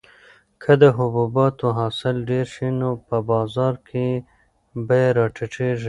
که د حبوباتو حاصل ډېر شي نو په بازار کې یې بیه راټیټیږي.